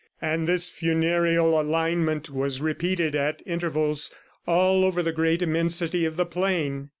... And this funereal alignment was repeated at intervals all over the great immensity of the plain!